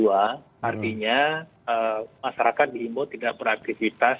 artinya masyarakat diimbau tidak beraktivitas